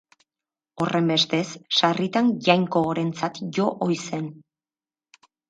Horrenbestez sarritan jainko gorentzat jo ohi zen.